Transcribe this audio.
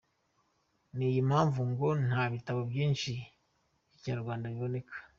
Niyi mpamvu ngo nta bitabo byinshi by’ikinyarwanda biboneka.